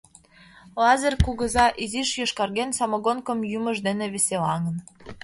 Лазыр кугыза изиш йошкарген, самогонкым йӱмыж дене веселаҥын.